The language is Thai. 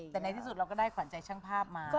แต่ในที่สุดเราก็ได้ขวัญใจช่างภาพมา